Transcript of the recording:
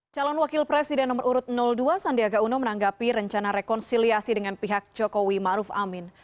calon wakil presiden nomor urut dua sandiaga uno menanggapi rencana rekonsiliasi dengan pihak jokowi ⁇ maruf ⁇ amin